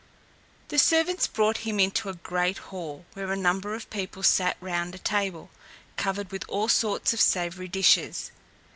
The servants brought him into a great hall, where a number of people sat round a table, covered with all sorts of savoury dishes.